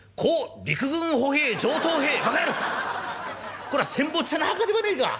こら戦没者の墓ではねえか！